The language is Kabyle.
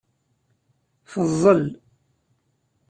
Teẓẓel.